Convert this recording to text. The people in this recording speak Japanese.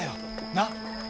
なっ？